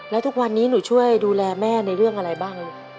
แล้วทุกวันนี้หนูช่วยดูแลแม่ในเรื่องอะไรบ้างลูก